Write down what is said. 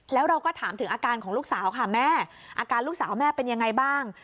แล้วเราก็ถามถึงอาการของลูกสาวค่ะแม่อาการลูกสาวแม่เป็นยังไงบ้าง